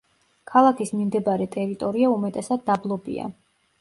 ქალაქის მიმდებარე ტერიტორია უმეტესად დაბლობია.